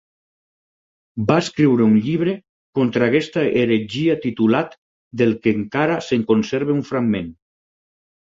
Va escriure un llibre contra aquesta heretgia titulat del que encara se'n conserva un fragment.